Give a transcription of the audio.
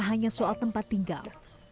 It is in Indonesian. tak hanya soal tempat tinggal